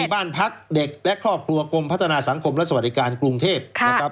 บ้านพักเด็กและครอบครัวกรมพัฒนาสังคมและสวัสดิการกรุงเทพนะครับ